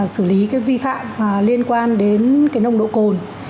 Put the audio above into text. sử lý cái vi phạm liên quan đến cái nồng độ khổn